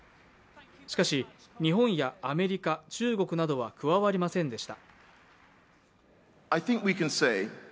しかし、日本やアメリカ、中国などは加わりませんでした。